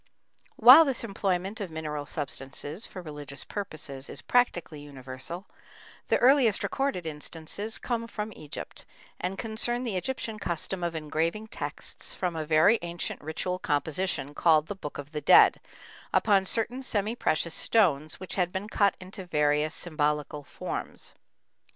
While this employment of mineral substances for religious purposes is practically universal, the earliest recorded instances come from Egypt, and concern the Egyptian custom of engraving texts from a very ancient ritual composition, called the Book of the Dead, upon certain semi precious stones which had been cut into various symbolical forms.